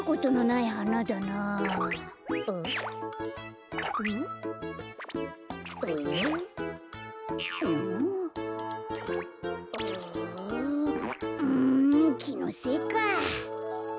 ああうんきのせいか！